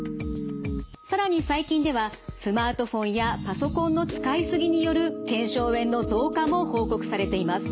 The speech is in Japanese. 更に最近ではスマートフォンやパソコンの使い過ぎによる腱鞘炎の増加も報告されています。